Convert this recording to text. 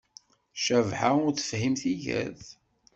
Cabḥa ur tefhim tigert